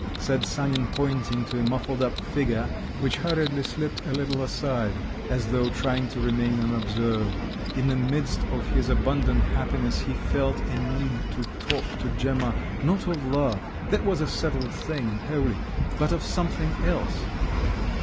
said Sanin, pointing to a muffled up figure, which hurriedly slipped a little aside as though trying to remain unobserved. In the midst of his abundant happiness he felt a need to talk to Gemma, not of love—that was a settled thing and holy—but of something else.